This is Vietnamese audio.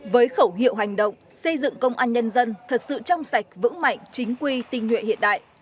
với khẩu hiệu hành động xây dựng công an nhân dân thật sự trong sạch vững mạnh chính quy tinh nguyện hiện đại